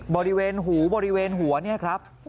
บริเวณหูบริเวณหัวเนี่ยครับ